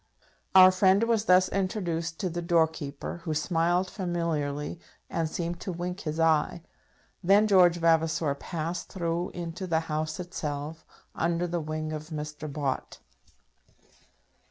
Our friend was thus introduced to the doorkeeper, who smiled familiarly, and seemed to wink his eye. Then George Vavasor passed through into the House itself, under the wing of Mr. Bott.